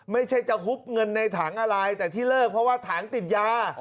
ไม่ใช่จะฮุบเงินในถังอะไรแต่ที่เลิกเพราะว่าถังติดยา